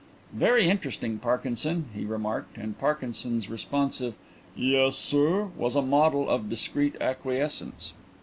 "Very interesting, Parkinson," he remarked, and Parkinson's responsive "Yes, sir" was a model of discreet acquiescence.